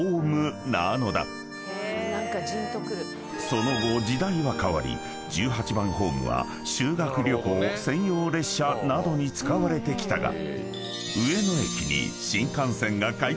［その後時代は変わり１８番ホームは修学旅行専用列車などに使われてきたが］